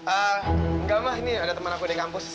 enggak mah ini ada teman aku di kampus